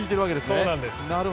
そうなんです。